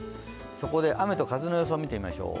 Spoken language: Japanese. そこで雨と風の予想見てみましょう。